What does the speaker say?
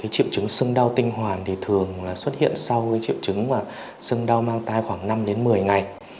chiếm chứng sưng đau tinh hoàn thường xuất hiện sau chiếm chứng sưng đau mang tay khoảng năm một mươi ngày